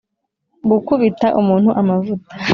gukubita umuntu amavuta